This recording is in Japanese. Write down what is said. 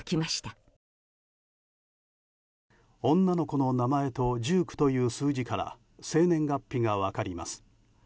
女の子の名前と１９という数字からは生年月日が分かります。